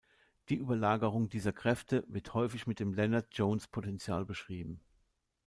Die Überlagerung dieser Kräfte wird häufig mit dem Lennard-Jones-Potential beschrieben.